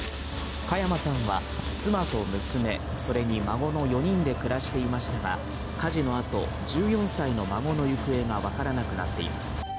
嘉山さんは妻と娘、それに孫の４人で暮らしていましたが、火事のあと、１４歳の孫の行方が分からなくなっています。